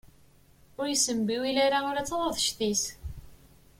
Ur yessembiwil ara ula d taḍadect-is.